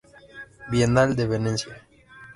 Bienal de Venecia.